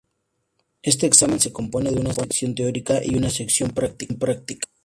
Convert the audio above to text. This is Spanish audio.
Este examen se compone de una sección teórica y una sección práctica.